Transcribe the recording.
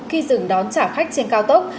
khi dừng đón chở khách trên cao tốc